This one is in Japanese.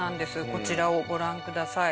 こちらをご覧ください。